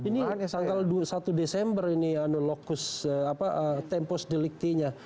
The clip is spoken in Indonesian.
ini tanggal satu desember ini lokus tempus deliktinya